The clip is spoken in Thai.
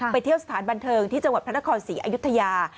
เที่ยวสถานบันเทิงที่จังหวัดพระนครศรีอยุธยา